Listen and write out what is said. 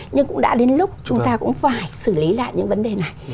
nhưng cũng đã đến lúc chúng ta cũng phải xử lý lại những vấn đề này